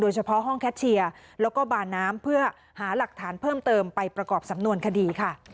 เฉพาะห้องแคชเชียร์แล้วก็บาน้ำเพื่อหาหลักฐานเพิ่มเติมไปประกอบสำนวนคดีค่ะ